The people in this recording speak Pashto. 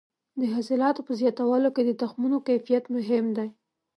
د حاصلاتو په زیاتولو کې د تخمونو کیفیت مهم دی.